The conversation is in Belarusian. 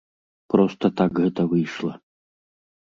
Проста так гэта выйшла.